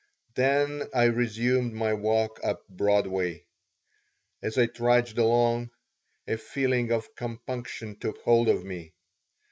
Then I resumed my walk up Broadway. As I trudged along, a feeling of compunction took hold of me.